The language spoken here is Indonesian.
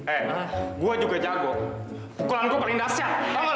eh gue juga jago pukulan gue paling dasar